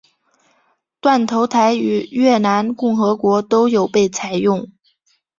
断头台于越南共和国都有被采用。